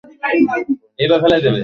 কই নিয়ে যাচ্ছেন আপনারা?